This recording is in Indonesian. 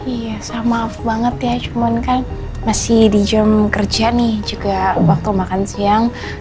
iya sama banget ya cuman kan masih di jam kerja nih juga waktu makan siang